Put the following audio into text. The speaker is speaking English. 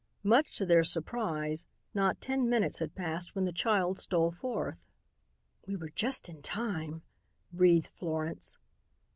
Much to their surprise, not ten minutes had passed when the child stole forth. "We were just in time," breathed Florence.